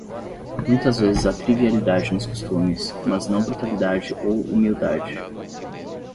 Muitas vezes há trivialidade nos costumes, mas não brutalidade ou humildade.